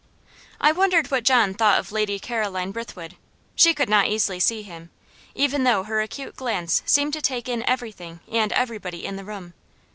I wondered what John thought of Lady Caroline Brithwood. She could not easily see him, even though her acute glance seemed to take in everything and everybody in the room.